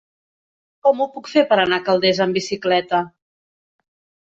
Com ho puc fer per anar a Calders amb bicicleta?